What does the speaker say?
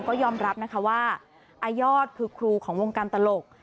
ก็ยอมรับนะคะว่าอายอดคือครูของวงการตลก